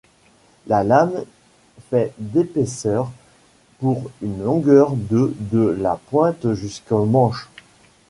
La lame fait d'épaisseur pour une longueur de de la pointe jusqu'au manche.